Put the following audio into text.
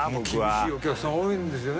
厳しいお客さん多いんですよね。